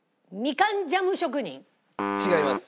違います。